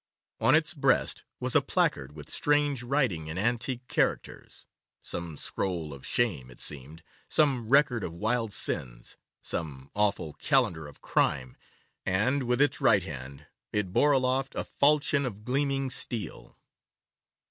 On its breast was a placard with strange writing in antique characters, some scroll of shame it seemed, some record of wild sins, some awful calendar of crime, and, with its right hand, it bore aloft a falchion of gleaming steel.